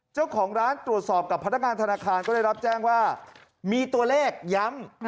เจ้าของร้านตรวจสอบกับพนักงานธนาคารก็ได้รับแจ้งว่ามีตัวเลขย้ำ